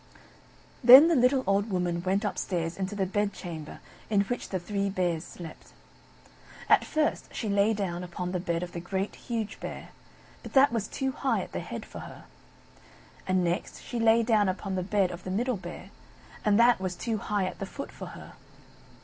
Then the little old Woman went upstairs into the bed chamber in which the three Bears slept. And first she lay down upon the bed of the Great, Huge Bear; but that was too high at the head for her. And next she lay down upon the bed of the Middle Bear; and that was too high at the foot for her.